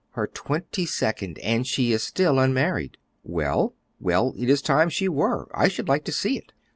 "Her twenty second, and she is still unmarried." "Well?" "Well, it is time she were. I should like to see it."